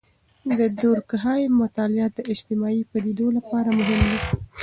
د دورکهايم مطالعات د اجتماعي پدیدو لپاره مهم دي.